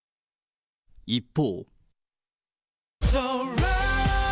一方。